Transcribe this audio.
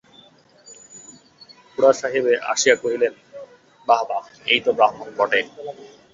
খুড়াসাহেবে আসিয়া কহিলেন, বাহবা, এই তো ব্রাহ্মণ বটে।